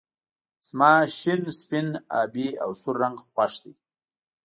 زما شين سپين آبی او سور رنګ خوښ دي